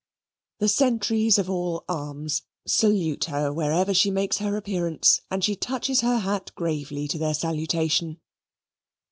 The sentries of all arms salute her wherever she makes her appearance, and she touches her hat gravely to their salutation.